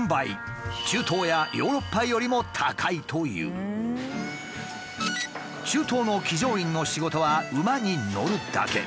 メターブさんの中東の騎乗員の仕事は馬に乗るだけ。